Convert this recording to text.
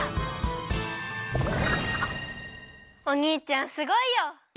おにいちゃんすごいよ。